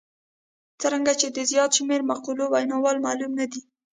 څرنګه چې د زیات شمېر مقولو ویناوال معلوم نه دي.